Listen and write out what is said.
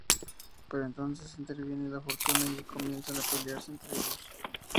Pero entonces interviene la Fortuna y comienzan a pelearse entre ellos.